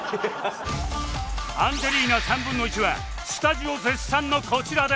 アンジェリーナ １／３ はスタジオ絶賛のこちらで